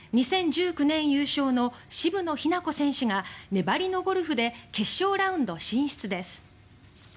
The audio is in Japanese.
２０１９年優勝の渋野日向子選手が粘りのゴルフで決勝ラウンド進出です。